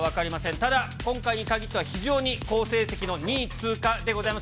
ただ、今回に限っては、非常に好成績の２位通過でございます。